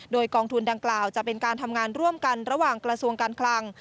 โดยกองทุนดังกล่าวจะเป็นการทำงานร่วมกันระหว่างกระทรวงการคลัง